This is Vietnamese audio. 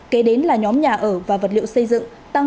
kế đến là nhóm nhà ở và vật liệu xây dựng tăng một một